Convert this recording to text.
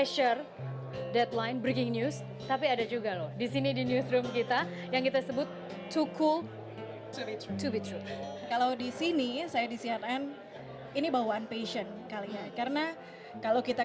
semakin dicintai oleh masyarakat